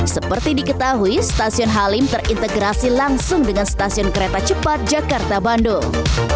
seperti diketahui stasiun halim terintegrasi langsung dengan stasiun kereta cepat jakarta bandung